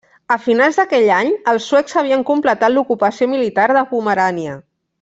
A finals d'aquell any, els suecs havien completat l'ocupació militar de Pomerània.